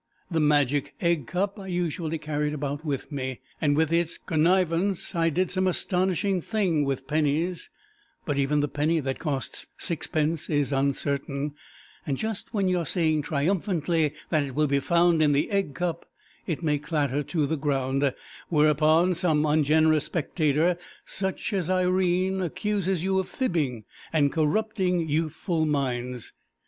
The magic egg cup I usually carried about with me, and with its connivance I did some astonishing things with pennies, but even the penny that costs sixpence is uncertain, and just when you are saying triumphantly that it will be found in the egg cup, it may clatter to the ground, whereon some ungenerous spectator, such as Irene, accuses you of fibbing and corrupting youthful minds.